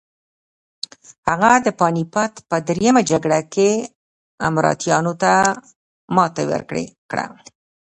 هغه د پاني پت په دریمه جګړه کې مراتیانو ته ماتې ورکړه.